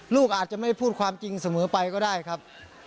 ลูกอาจจะไม่พูดความจริงเสมอไปก็ได้ครับ